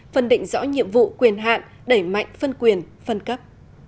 phân định rõ nhiệm vụ quyền hạn đẩy mạnh phân quyền phân cấp